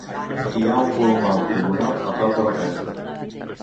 Hi ha un colomar octagonal a prop de la casa.